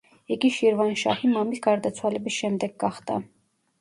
იგი შირვანშაჰი მამის გარდაცვალების შემდეგ გახდა.